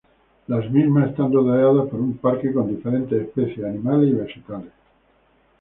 Las mismas están rodeadas por un parque con diferentes especies animales y vegetales.